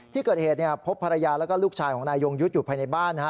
ที่เกิดเหตุพบภรรยาแล้วก็ลูกชายของนายยงยุทธ์อยู่ภายในบ้าน